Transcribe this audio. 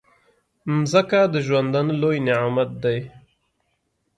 مځکه د ژوندانه لوی نعمت دی.